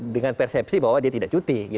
dengan persepsi bahwa dia tidak cuti